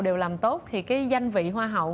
đều làm tốt thì cái danh vị hoa hậu